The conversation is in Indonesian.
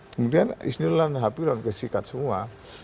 kemudian isnylan hapilon kesikat semua